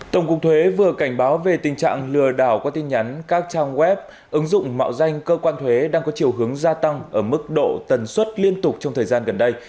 tổng cục thuế vừa cảnh báo về tình trạng lừa đảo qua tin nhắn các trang web ứng dụng mạo danh cơ quan thuế đang có chiều hướng gia tăng ở mức độ tần suất liên tục trong thời gian gần đây